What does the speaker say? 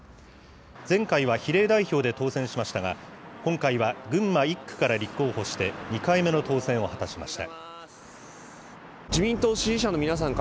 前回は比例代表で当選しましたが、今回は群馬１区から立候補して、２回目の当選を果たしました。